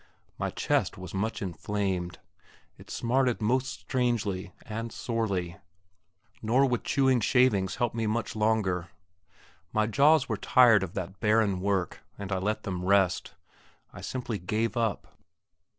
My chest was much inflamed; it smarted most strangely and sorely nor would chewing shavings help me much longer. My jaws were tired of that barren work, and I let them rest. I simply gave up.